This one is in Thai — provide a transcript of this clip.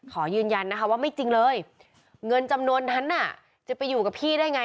ขอยืนยันนะคะว่าไม่จริงเลยเงินจำนวนนั้นน่ะจะไปอยู่กับพี่ได้ไง